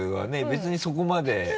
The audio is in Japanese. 別にそこまで。